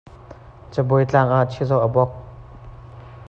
Cabuai tang ah chizawh a bok.